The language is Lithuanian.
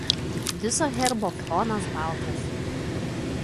Viso herbo fonas baltas.